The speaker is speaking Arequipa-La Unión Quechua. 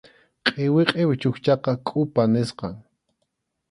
Qʼiwi qʼiwi chukchaqa kʼupa nisqam.